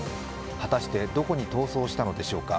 果たしてどこに逃走したのでしょうか。